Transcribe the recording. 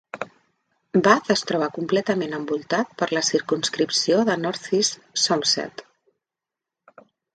Bath es troba completament envoltat per la circumscripció de North-East Somerset.